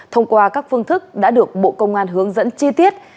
thông qua các phương thức đã được bộ công an hướng dẫn chi tiết